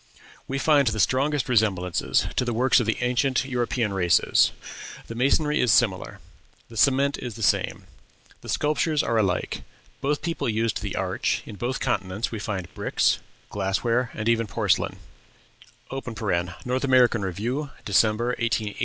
We find the strongest resemblances to the works of the ancient European races: the masonry is similar; the cement is the same; the sculptures are alike; both peoples used the arch; in both continents we find bricks, glassware, and even porcelain (North American Review, December, 1880, pp.